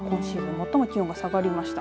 最も気温が下がりました。